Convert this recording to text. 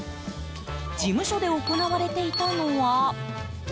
事務所で行われていたのは。